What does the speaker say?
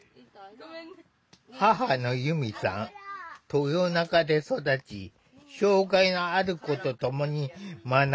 豊中で育ち障害のある子とともに学んだ。